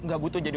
gak buta jadi